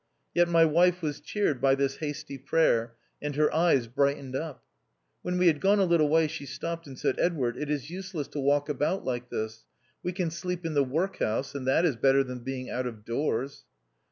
Yet my wife was cheered by this hasty prayer, and her eyes brightened up. When we had gone a little way she stopped and said, " Edward, it is useless to walk about like this ; we can sleep in the work house, and that is better than being out of doors."